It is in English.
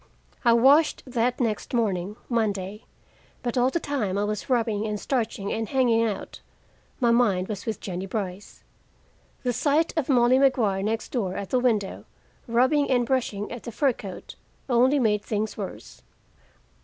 I washed that next morning, Monday, but all the time I was rubbing and starching and hanging out, my mind was with Jennie Brice. The sight of Molly Maguire, next door, at the window, rubbing and brushing at the fur coat, only made things worse.